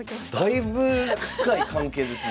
だいぶ深い関係ですねそれは。